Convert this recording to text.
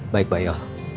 baik mbak yo